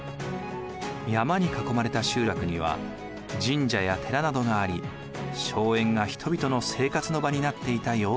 山に囲まれた集落には神社や寺などがあり荘園が人々の生活の場になっていた様子が分かります。